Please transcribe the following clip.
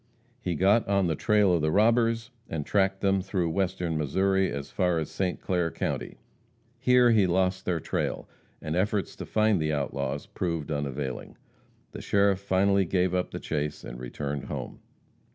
He got on the trail of the robbers, and tracked them through western Missouri as far as St. Clair county. Here he lost their trail, and efforts to find the outlaws proved unavailing. The sheriff finally gave up the chase and returned home.